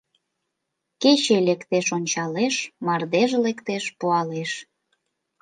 Кече лектеш - ончалеш, мардеж лектеш - пуалеш